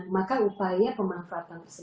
maka upaya pemanfaatannya adalah